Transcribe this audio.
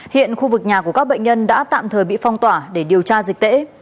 hiện khu vực nhà của các bệnh nhân đã tạm thời bị phong tỏa để điều tra dịch tễ